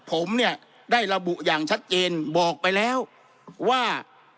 ผมเนี่ยได้ระบุอย่างชัดเจนบอกไปแล้วว่า